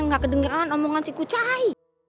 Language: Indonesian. nggak kedengeran omongan si kucay